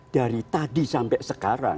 dari tadi sampai sekarang